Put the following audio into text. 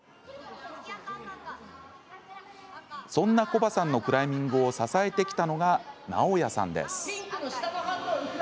そんなコバさんのクライミングを支えてきたのがナオヤさんです。